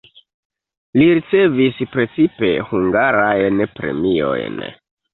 Li ricevis precipe hungarajn premiojn.